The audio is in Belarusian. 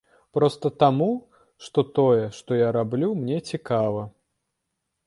Проста таму, што тое, што я раблю, мне цікава.